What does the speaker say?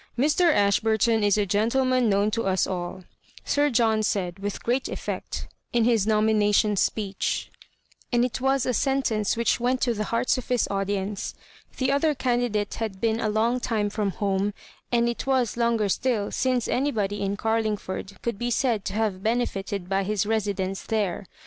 Mr. Ashburton is a gentleman known to us all," Sir John said, with great effect, in his nomi nation speech; and it was a sentence which went to the hearts of his audienca The other candidate had been a long time from home, and it was longer still since anybody in Carlingford could be said to have benefited by his residence there.